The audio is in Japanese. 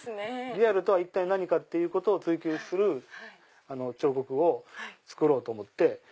リアルとは一体何か？を追求する彫刻を作ろうと思って。